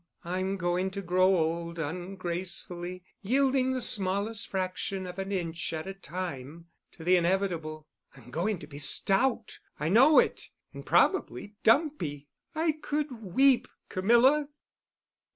I'm going to grow old ungracefully, yielding the smallest fraction of an inch at a time to the inevitable. I'm going to be stout, I know it—and probably dumpy. I could weep, Camilla."